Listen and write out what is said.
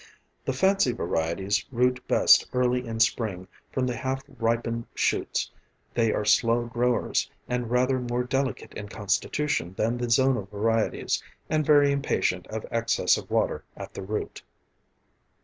The fancy varieties root best early in spring from the half ripened shoots; they are slower growers, and rather more delicate in constitution than the zonal varieties, and very impatient of excess of water at the root.